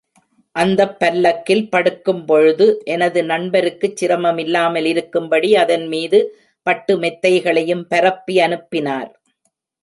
அந்தப் பல்லக்கில் படுக்கும்பொழுது, எனது நண்பருக்குச் சிரமமில்லாமலிருக்கும் படி, அதன்மீது பட்டு மெத்தைகளையும் பரப்பி அனுப்பினார்!